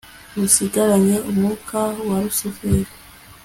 musigaranye umwuka wa lusiferi